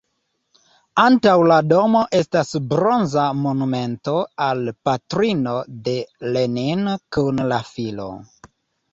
Antaŭ la domo estas bronza monumento al patrino de Lenin kun la filo.